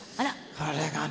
これがね。